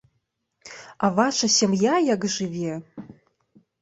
А ваша сям'я як жыве!